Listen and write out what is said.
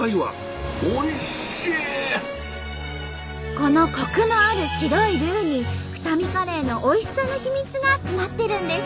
このコクのある白いルーに二海カレーのおいしさの秘密が詰まってるんです。